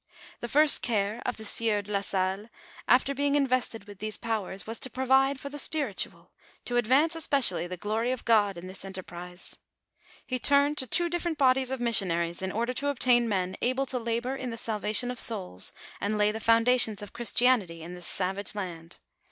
The first care of the sieur do la Sallo, after being invested with these powers, was to provide for the spirUual, to advance especially the glory of God in this enterprise. He turned to two different bodies of missionaries, in order to ob tain men able to labor in the salvation of soids, and lay the foundations of Christianity in this savage land.